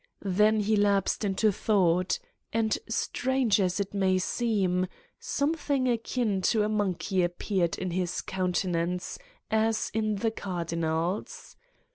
Then he lapsed into thought ... and strange as it may seem something akin to a monkey appeared in his countenance, as in the cardinal's.